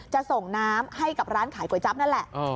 จะส่งน้ำให้กับร้านขายก๋วยจั๊บนั่นแหละ